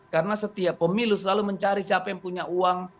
karena setiap pemilu selalu mencari siapa yang punya uang